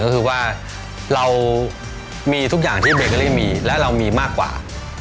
ก็คือว่าเรามีทุกอย่างที่เบเกอรี่มีและเรามีมากกว่า